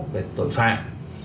về tội phạm